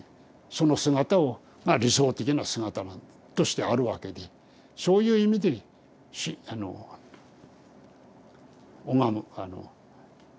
その姿を理想的な姿なんだよとしてあるわけでそういう意味であの拝む。